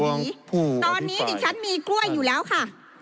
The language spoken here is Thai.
ตอนนี้ดิฉันมีกล้วยอยู่แล้วค่ะ